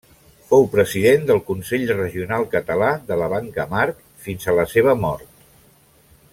Fou president del consell regional català de la Banca March fins a la seva mort.